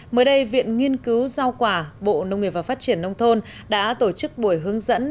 mới đây viện nghiên cứu giao quả bộ nông nghiệp và phát triển nông thôn đã tổ chức buổi hướng dẫn